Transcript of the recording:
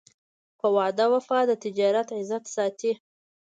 په وعده وفا د تجارت عزت ساتي.